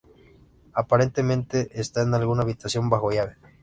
Aparentemente está en alguna habitación bajo llave.